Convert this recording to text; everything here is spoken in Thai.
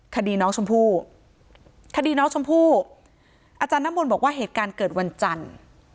คดีน้องชมพู่คดีน้องชมพู่อาจารย์น้ำมนต์บอกว่าเหตุการณ์เกิดวันจันทร์